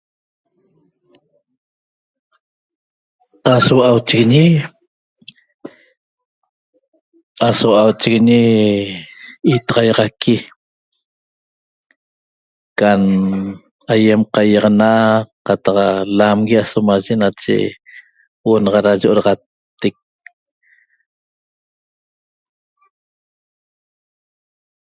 Aso hua'auchiguiñi, aso huau'auchiguiñi itaxaiaxaqui can aiem qaiaxana qataq lamgui aso maye nache huo'o naxa ra yo'oraxattec